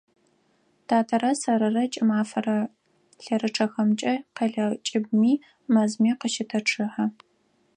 Татэрэ сэрырэ кӀымафэрэ лъэрычъэхэмкӀэ къэлэ кӀыбыми, мэзми къащытэчъыхьэ.